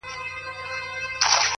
هوډ د اوږدو لارو ملګری دی؛